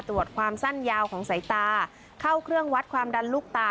ตรวจความสั้นยาวของสายตาเข้าเครื่องวัดความดันลูกตา